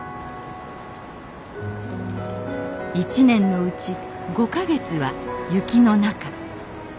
１年のうち５か月は雪の中。